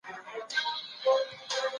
د اطاعت لار د بریا لار ده.